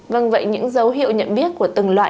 vâng vậy những dấu hiệu nhận biết của từng loại